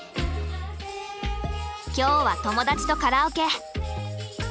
今日は友達とカラオケ。